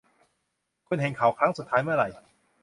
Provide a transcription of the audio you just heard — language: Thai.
คุณเห็นเขาครั้งสุดท้ายเมื่อไหร่